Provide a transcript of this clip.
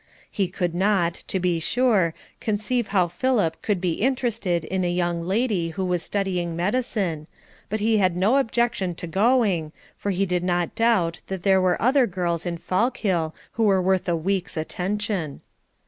He could not, to be sure, conceive how Philip could be interested in a young lady who was studying medicine, but he had no objection to going, for he did not doubt that there were other girls in Fallkill who were worth a week's attention.